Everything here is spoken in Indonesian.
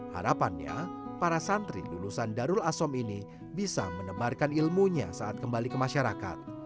harapannya para santri lulusan darul asom ini bisa menebarkan ilmunya saat kembali ke masyarakat